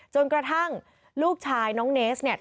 จนกระทั่งลูกชายน้องเนสเนี่ย